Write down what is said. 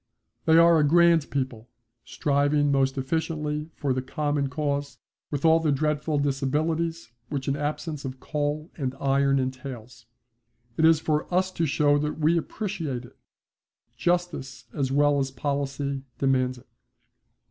They are a grand people, striving most efficiently for the common cause, with all the dreadful disabilities which an absence of coal and iron entails. It is for us to show that we appreciate it. Justice as well as policy demands it.